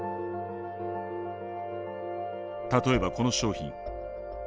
例えばこの商品。